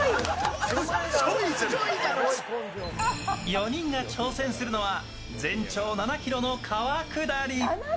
４人が挑戦するのは全長７ｋｍの川下り。